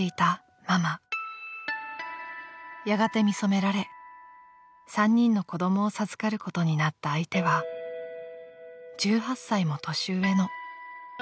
［やがて見初められ３人の子供を授かることになった相手は１８歳も年上のヤクザの組長でした］